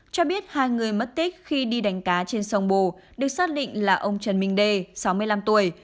cho biết hai người mất tích khi đi đánh cá trên sông bồ được xác định là ông trần minh đê sáu mươi năm tuổi